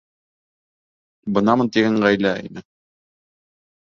Бынамын тигән ғаилә... ине.